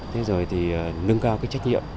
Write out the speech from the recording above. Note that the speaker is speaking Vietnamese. thế rồi thì nâng cao cái trách nhiệm